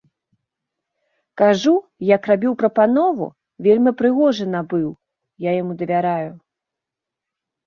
Кажу, як рабіў прапанову, вельмі прыгожы набыў, я яму давяраю.